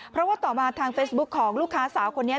เพราะว่าต่อมาทางเฟซบุ๊คของลูกค้าสาวคนนี้